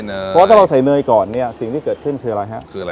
เพราะถ้าเราใส่เนยก่อนเนี่ยสิ่งที่เกิดขึ้นคืออะไรฮะคืออะไร